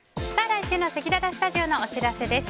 来週のせきららスタジオのお知らせです。